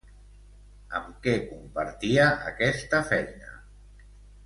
Amb què compartia aquesta feina?